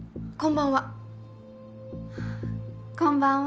こんばんは。